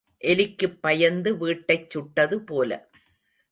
எலிக்குப் பயந்து வீட்டைச் சுட்டது போல.